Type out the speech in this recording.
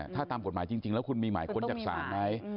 ถ้าตามกฎหมายจริงแล้วคุณมีหมายค้นจากศาลไหม